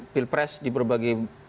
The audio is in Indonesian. pilpres di berbagai